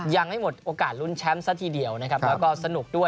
ยังไม่หมดโอกาสลุ้นแชมป์ซะทีเดียวนะครับแล้วก็สนุกด้วย